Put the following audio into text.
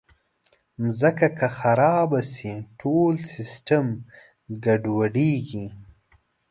مځکه که خراب شي، ټول سیسټم ګډوډېږي.